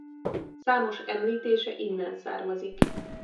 Számos említése innen származik.